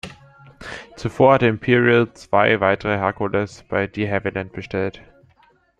Zuvor hatte Imperial zwei weitere Hercules bei de Havilland bestellt.